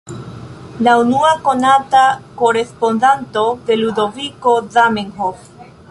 La unua konata korespondanto de Ludoviko Zamenhof.